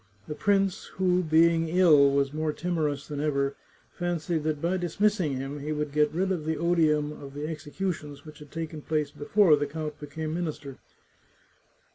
The prince, who, being ill, was more timorous than ever, fancied that by dismissing him he would get rid of the odium of the executions which had taken place before the count be came minister.